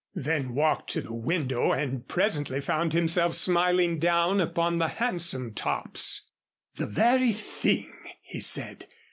Then walked to the window and presently found himself smiling down upon the hansom tops. "The very thing," he said.